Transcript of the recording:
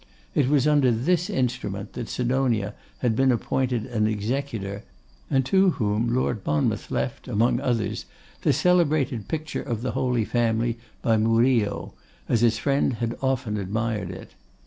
It was under this instrument that Sidonia had been appointed an executor and to whom Lord Monmouth left, among others, the celebrated picture of the Holy Family by Murillo, as his friend had often admired it.